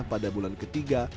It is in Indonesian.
pada bulan ketiga